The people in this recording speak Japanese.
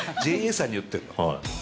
ＪＡさんに言ってんの？